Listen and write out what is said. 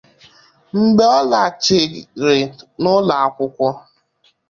mgbe ọ laghachịri n’ụlọakwụkwọ